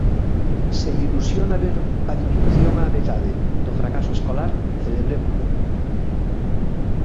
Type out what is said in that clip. Se ilusiona ver a diminución á metade do fracaso escolar, celebrémolo.